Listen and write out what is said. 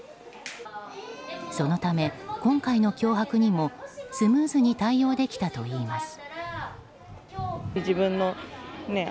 そのため、今回の脅迫にもスムーズに対応できたといいます。